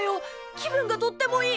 気分がとってもいい！